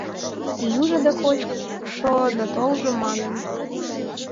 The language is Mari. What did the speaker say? Йӱжӧ да кочшо да толжо манын.